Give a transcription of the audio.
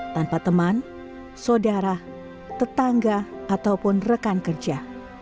tanpa teman saudara tetangga ataupun rekan kerja